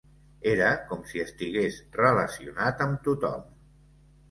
Era com si estigués relacionat amb tothom.